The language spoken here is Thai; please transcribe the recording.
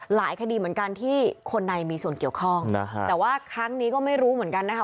หลายคดีเหมือนกันที่คนในมีส่วนเกี่ยวข้องนะฮะแต่ว่าครั้งนี้ก็ไม่รู้เหมือนกันนะคะ